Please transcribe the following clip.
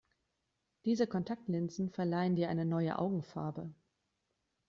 Diese Kontaktlinsen verleihen dir eine neue Augenfarbe.